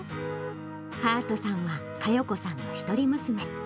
はあとさんは、加代子さんの一人娘。